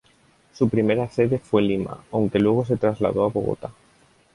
Su primera sede fue Lima, aunque luego se trasladó a Bogotá.